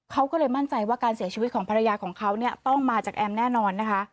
เขาก็เลยมั่นใจว่าการเสียชีวิตของภรรยาของเขาเนี่ยต้องมาจากแอมแน่นอนนะคะ